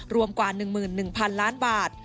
รวมกว่า๑๑๐๐๐ล้านบาท